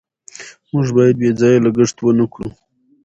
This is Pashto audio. موږ باید بې ځایه لګښت ونکړو.